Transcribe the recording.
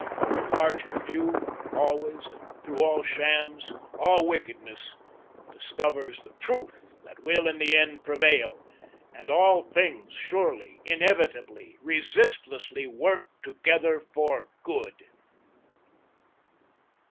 The larger view always and through all shams, all wickednesses, discovers the Truth that will, in the end, prevail, and all things, surely, inevitably, resistlessly work together for good.